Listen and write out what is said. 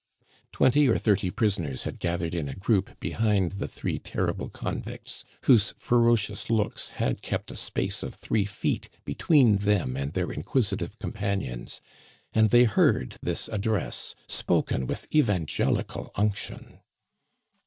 Twenty or thirty prisoners had gathered in a group behind the three terrible convicts, whose ferocious looks had kept a space of three feet between them and their inquisitive companions, and they heard this address, spoken with evangelical unction.